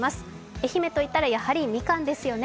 愛媛といったらやっぱり、みかんですよね。